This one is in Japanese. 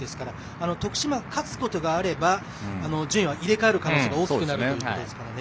徳島が勝つことがあれば順位が入れ代わる可能性が大きくなるということですね。